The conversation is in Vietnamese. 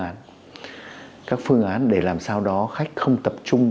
các phương án để làm sao đó khách không tập trung